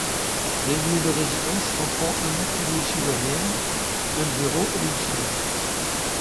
Le lieu de résidence comprend un atelier sous verrière, un bureau et une chambre.